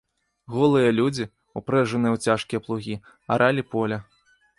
Голыя людзі, упрэжаныя ў цяжкія плугі, аралі поле.